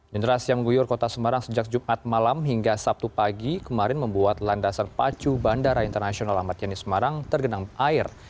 jendera siam guyur kota semarang sejak jumat malam hingga sabtu pagi kemarin membuat landasan pacu bandara internasional amat yeni semarang tergenang air